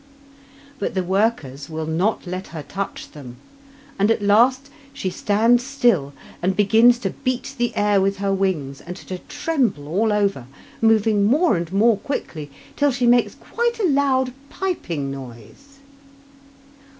But the workers will not let her touch them, and at last she stands still and begins to beat the air with her wings and to tremble all over, moving more and more quickly, till she makes quite a loud, piping noise.